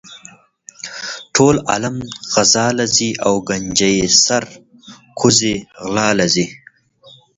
ټول عالم غزا لہ ځی او ګنجي سر کوزے غلا لہ ځی